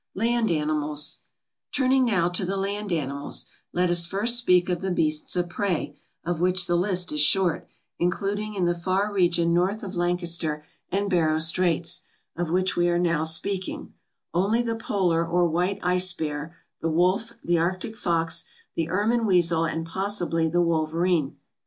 Land Animals Turning now to the land animals, let us first speak of the beasts of prey, of which the list is short, including in the far region north of Lancaster and Barrow straits, of which we are now speaking, only the polar or white ice bear, the wolf, the arctic fox, the ermine weasel and possibly the wolverene.